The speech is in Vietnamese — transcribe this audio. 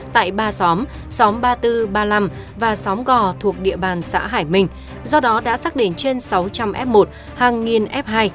tại ba xóm xóm ba mươi bốn ba mươi năm và xóm gò thuộc địa bàn xã hải minh do đó đã xác định trên sáu trăm linh f một hàng nghìn f hai